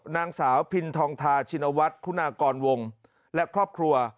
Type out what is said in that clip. นางสาวพินทองทาชินวัฒน์คุณากรวงและครอบครัว